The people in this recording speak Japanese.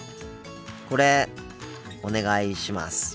これお願いします。